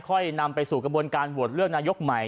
นำไปสู่กระบวนการโหวตเลือกนายกใหม่